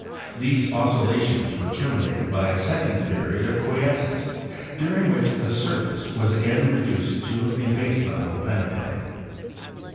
These oscillations were terminated by a second period of quiescence, during which the surface was again reduced to a base level peneplain.